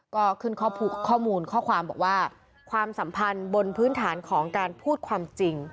ก็ขึ้นข้อมูลข้อความบอกว่าความสัมพันธ์บนพื้นฐานของการพูดความจริง